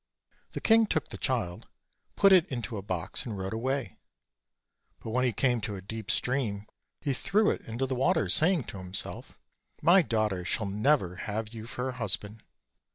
The king took the child, put it into a box, and rode away; but when he came to a deep stream he threw it into the water, saying to himself, "My daughter shall never have you for a husband."